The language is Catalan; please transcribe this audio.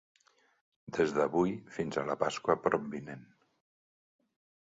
Des d'avui fins a la Pasqua propvinent.